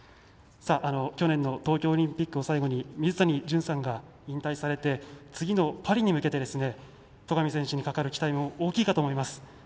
去年の東京オリンピックを最後に水谷隼さんが引退されて次のパリに向けて戸上選手にかかる期待も大きいかと思います。